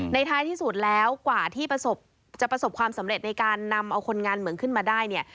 ท้ายที่สุดแล้วกว่าที่จะประสบความสำเร็จในการนำเอาคนงานเหมืองขึ้นมาได้เนี่ย